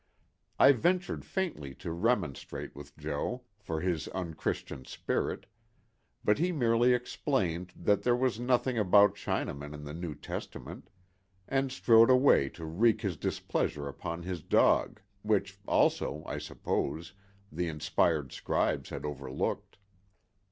I ventured faintly to remonstrate with Jo. for his unchristian spirit, but he merely explained that there was nothing about Chinamen in the New Testament, and strode away to wreak his displeasure upon his dog, which also, I suppose, the inspired scribes had overlooked.